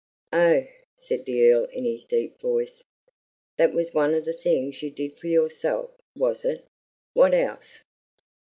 "Oh!" said the Earl in his deep voice, "that was one of the things you did for yourself, was it? What else?"